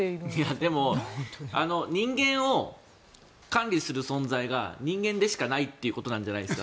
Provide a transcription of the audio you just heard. でも人間を管理する存在が人間でしかないということじゃないですか。